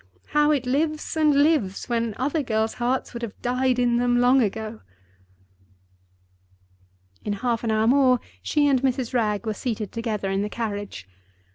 How it lives and lives, when other girls' hearts would have died in them long ago!" In half an hour more she and Mrs. Wragge were seated together in the carriage.